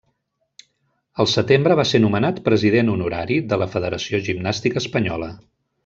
Al setembre va ser nomenat president honorari de la Federació Gimnàstica Espanyola.